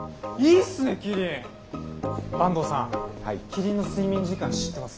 坂東さんキリンの睡眠時間知ってます？